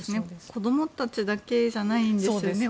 子供たちだけじゃないんですよね。